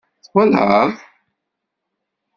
Twalaḍ?